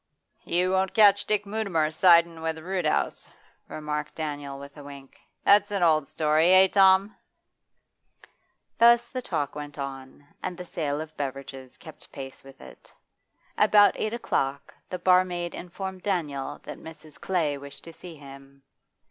'You won't catch Dick Mutimer sidin' with Roodhouse,' remarked Daniel with a wink. 'That's an old story, eh, Tom?' Thus the talk went on, and the sale of beverages kept pace with it. About eight o'clock the barmaid informed Daniel that Mrs. Clay wished to see him.